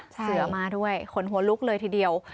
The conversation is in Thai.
เสือมาด้วยขนหัวลุกเลยทีเดียว